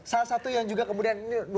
salah satu yang juga kemudian